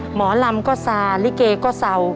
หมอลำก็ซาลิเกก็เศร้า